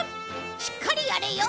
しっかりやれよ！